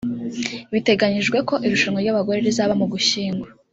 Biteganyijwe ko Irushanwa ry’abagore rizaba mu Ugushyingo